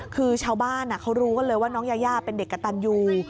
คือชาวบ้านเขารู้กันเลยว่าน้องยายาเป็นเด็กกระตันยู